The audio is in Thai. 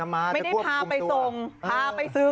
ไม่ได้พาไปส่งพาไปซื้อ